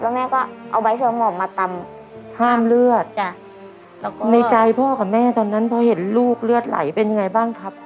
แล้วแม่ก็เอาใบสมองมาตำห้ามเลือดจ้ะแล้วก็ในใจพ่อกับแม่ตอนนั้นพอเห็นลูกเลือดไหลเป็นยังไงบ้างครับ